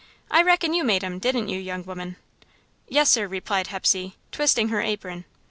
I reckon you made 'em, didn't you, young woman?" "Yes, sir," replied Hepsey, twisting her apron.